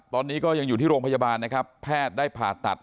ตอนนี้ก็ยังอยู่ที่โรงพยาบาลนะครับแพทย์ได้ผ่าตัด